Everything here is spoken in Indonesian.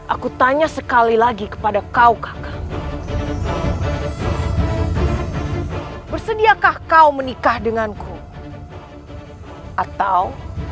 aku tanya sekali lagi kepada kau kakak bersediakah kau menikah denganku atau